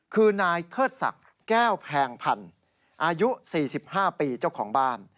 คือนายเทิดศักดิ์แก้วแพงพันธุ์อายุ๔๕ปีเจ้าของบ้าน